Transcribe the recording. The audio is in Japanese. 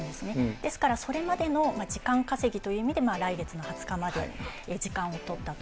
ですから、それまでの時間稼ぎという意味で来月の２０日まで時間を取ったと。